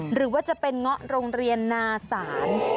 หรือว่าจะเป็นเงาะโรงเรียนนาศาล